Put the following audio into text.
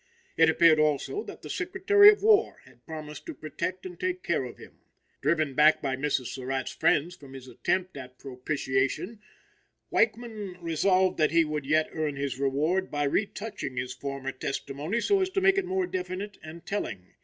It appeared, also, that the Secretary of War had promised to protect and take care of him. Driven back by Mrs. Surratt's friends from his attempt at propitiation, Weichman resolved that he would yet earn his reward by retouching his former testimony so as to make it more definite and telling.